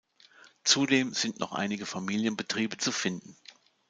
Zudem sind noch einige Familienbetriebe zu finden.